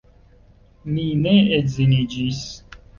Mi ne edziniĝis.